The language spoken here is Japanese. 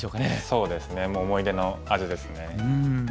そうですねもう思い出の味ですね。